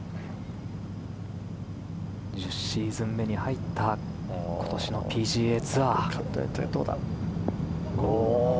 １０シーズン目に入った今年のＰＧＡツアー。